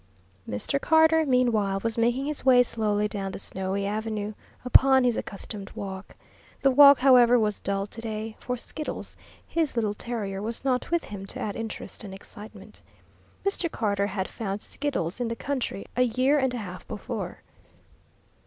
Mr. Carter meanwhile was making his way slowly down the snowy avenue, upon his accustomed walk. The walk, however, was dull to day, for Skiddles, his little terrier, was not with him to add interest and excitement. Mr. Carter had found Skiddles in the country a year and a half before.